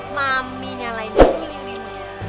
mami nyalain dulu lilin